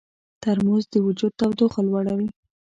ترموز د وجود تودوخه لوړوي.